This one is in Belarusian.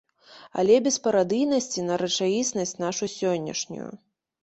Але без парадыйнасці на рэчаіснасць нашу сённяшнюю.